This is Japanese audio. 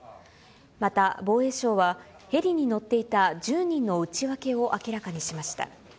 また防衛省は、ヘリに乗っていた１０人の内訳を明らかにしました。